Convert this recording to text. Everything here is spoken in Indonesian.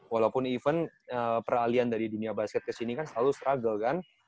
walaupun even peralian dari dunia basket kesini kan selalu struggle kan